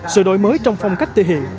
sự đổi mới trong phong cách tự hiện